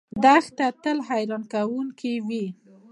دښته تل حیرانونکې وي.